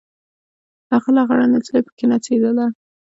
هماغه لغړه نجلۍ پکښې نڅېدله.